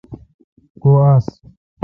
کو آس۔